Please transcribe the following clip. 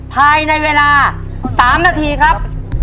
ภายในเวลา๓นาทีครับ